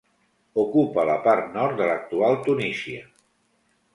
Ocupa la part nord de l'actual Tunísia.